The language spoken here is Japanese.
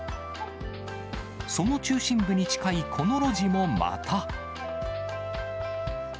その中心部に近いこの路地もまた。